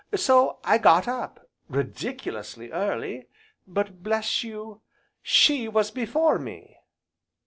So I got up, ridiculously early, but, bless you, she was before me!"